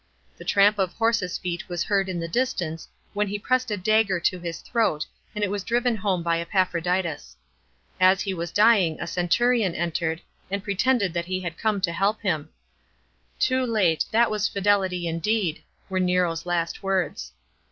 The tramp of horses' feet was heard in the distance, when he pressed a dagger to his throat, and it was driven home by Epaphroditus. As he was dying, a centurion entered, and pre tended he had come to help him. " Too late !— that was fidelity indeed !" were Nero's last words.